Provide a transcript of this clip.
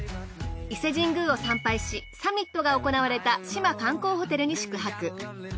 伊勢神宮を参拝しサミットが行われた志摩観光ホテルに宿泊。